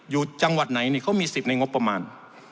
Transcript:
อยู่จังหวัดไหนเขามีสิทธิ์ในงบประมาณ